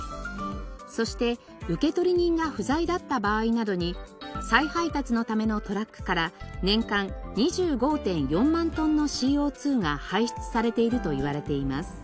そして受取人が不在だった場合などに再配達のためのトラックから年間２５．４万トンのＣＯ２が排出されているといわれています。